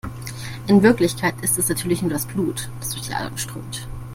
In Wirklichkeit ist es natürlich nur das Blut, das durch die Adern strömt.